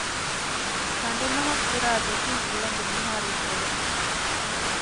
ކަނޑުމަހަށް ފުރާ ދެތިން އުޅަދު މިހާރު ވެސް އޮވެ